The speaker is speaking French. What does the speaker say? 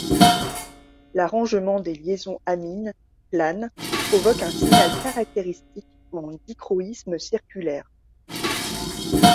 L'arrangement des liaisons amines planes provoque un signal caractéristique en dichroïsme circulaire.